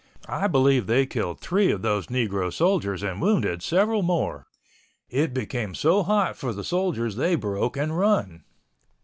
I believe they killed three of those negro soldiers and wounded several more. It became so hot for the soldiers they broke and run.